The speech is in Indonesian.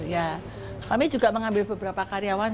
ya kami juga mengambil beberapa karyawan